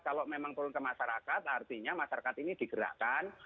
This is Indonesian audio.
kalau memang turun ke masyarakat artinya masyarakat ini digerakkan